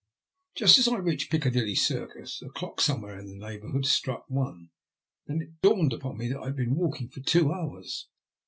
Just as I reached Piccadilly Circus a clock some where in the neighbourhood struck one. Then it dawned upon me that I had been walking for two hours.